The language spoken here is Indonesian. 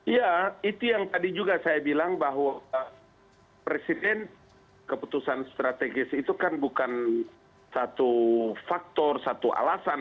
ya itu yang tadi juga saya bilang bahwa presiden keputusan strategis itu kan bukan satu faktor satu alasan